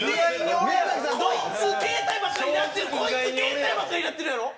こいつ携帯ばっかりやってるやろ？